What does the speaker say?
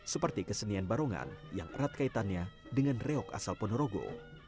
seperti kesenian barongan yang erat kaitannya dengan reok asal ponorogo